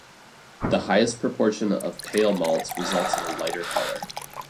The highest proportion of pale malts results in a lighter color.